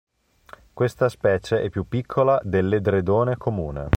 Questa specie è più piccola dell'edredone comune.